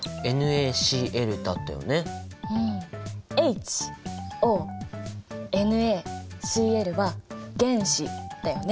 ＨＯＮａＣｌは原子だよね。